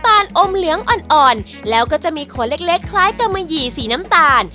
มันอมเหลืองอ่อนแล้วก็จะมีโคตรเล็กคล้ายกับมะหยี่สีน้ำตาล